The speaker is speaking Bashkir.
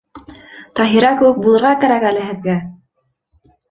Таһира кеүек булырға кәрәк әле һеҙгә!